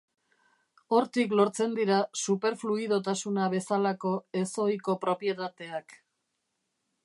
Hortik lortzen dira superfluidotasuna bezalako ez ohiko propietateak.